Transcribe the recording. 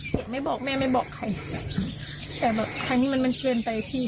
ไม่บอกแม่ไม่บอกใครแต่ครั้งนี้มันมันเกินไปพี่